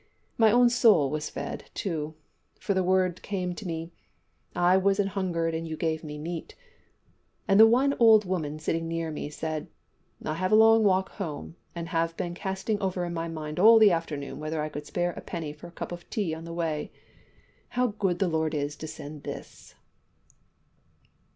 My own soul was fed, too for the words came to me, `I was an hungered and ye gave me meat,' and one old woman, sitting near me, said, `I have a long walk home, and have been casting over in my mind all the afternoon whether I could spare a penny for a cup of tea on the way. How good the Lord is to send this!'"